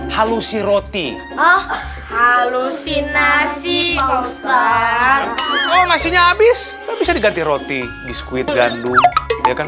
halusi roti halusinasi monster kalau nasinya habis bisa diganti roti biskuit gandum biarkan